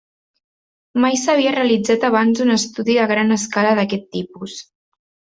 Mai s'havia realitzat abans un estudi a gran escala d'aquest tipus.